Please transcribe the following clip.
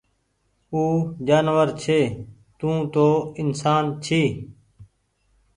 او جآنور ڇي توُن تو انسآن ڇي